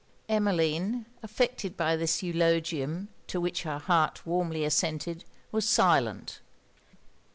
Emmeline, affected by this eulogium, to which her heart warmly assented, was silent.